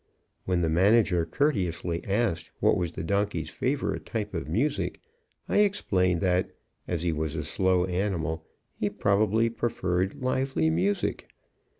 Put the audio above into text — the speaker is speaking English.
When the manager courteously asked what was the donkey's favorite style of music I explained that, as he was a slow animal, he probably preferred lively music.